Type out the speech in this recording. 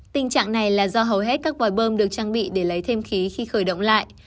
tình trạng này là do hầu hết các vòi bơm được trang bị để lấy thêm khí khi khởi động lại